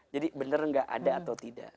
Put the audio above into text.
jadi benar enggak ada atau tidak